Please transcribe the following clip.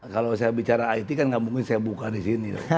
kalau saya bicara it kan nggak mungkin saya buka di sini